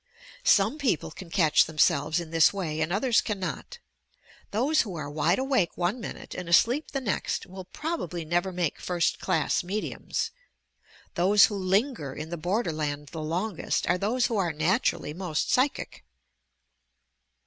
Some people can catch themselves in this way and others cannot. Those who are wide awake one minute and asleep the next will probably never make first class mediums. Those who linger in the bor derland the longest, are those who are naturally most psychic.